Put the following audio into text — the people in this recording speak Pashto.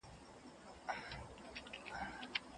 دوی ته د کار اسانتیاوې برابرې کړئ.